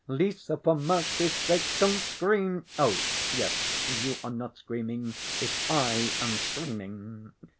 Lise, for mercy's sake, don't scream! Oh, yes; you are not screaming. It's I am screaming.